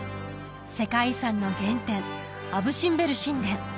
世界遺産の原点アブ・シンベル神殿